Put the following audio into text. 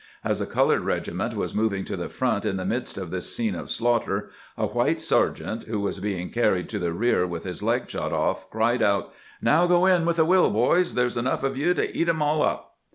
As a' colored regiment was moving to the front in the midst of this scene of slaughter, a white sergeant, who was being car ried to the rear with his leg shot off, cried out :" Now go in with a wiU, boys. There 's enough of you to eat 'em all up."